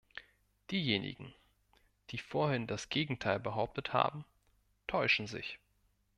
Diejenigen, die vorhin das Gegenteil behauptet haben, täuschen sich.